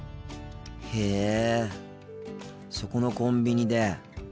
へえそこのコンビニで。